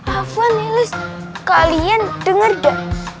apa nelis kalian denger gak